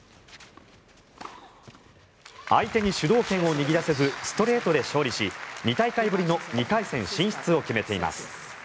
相手に主導権を握らせずストレートで勝利し２大会ぶりの２回戦進出を決めています。